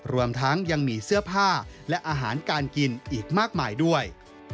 รวมทั้งยังมีเสื้อผ้าและอาหารการกินอีกมากมายด้วย